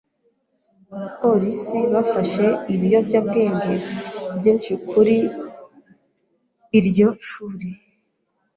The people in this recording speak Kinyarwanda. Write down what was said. Abapolisi bafashe ibiyobyabwenge byinshi kuri iryo shuri.